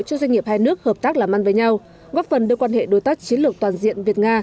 cho doanh nghiệp hai nước hợp tác làm ăn với nhau góp phần đưa quan hệ đối tác chiến lược toàn diện việt nga